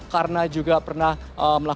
karena juga pernah melakukan penyelenggaraan